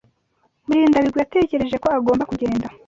Murindabigwi yatekereje ko agomba kugenda.